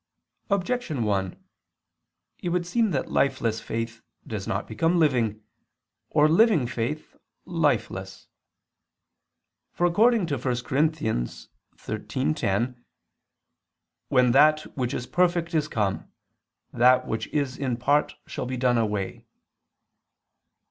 Objection 1: It would seem that lifeless faith does not become living, or living faith lifeless. For, according to 1 Cor. 13:10, "when that which is perfect is come, that which is in part shall be done away."